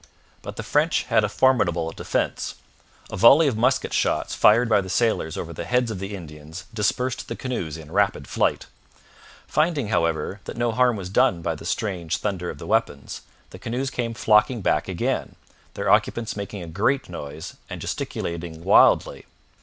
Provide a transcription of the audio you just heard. But the French had a formidable defence. A volley of musket shots fired by the sailors over the heads of the Indians dispersed the canoes in rapid flight. Finding, however, that no harm was done by the strange thunder of the weapons, the canoes came flocking back again, their occupants making a great noise and gesticulating wildly.